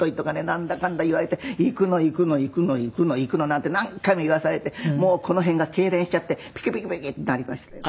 なんだかんだ言われて「行くの行くの行くの」なんて何回も言わされてこの辺がけいれんしちゃってピキピキピキッてなりましたよ。